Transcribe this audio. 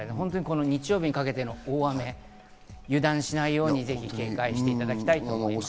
日曜日にかけての大雨、油断しないように警戒していただきたいと思います。